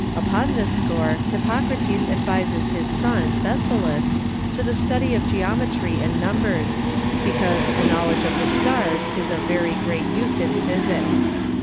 Upon this score Hippocrates advises his Son Thessalus to the study of Geometry and Numbers, because the Knowledge of the Stars is of very great use in Physick.